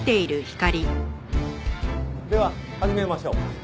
では始めましょうか。